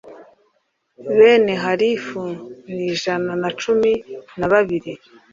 bene harifu ni ijana na cumi na babiri